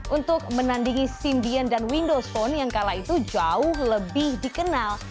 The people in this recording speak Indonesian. untuk menandingi symbian dan windows phone yang kala itu jauh lebih dikenal